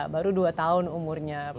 baru dua tahun umurnya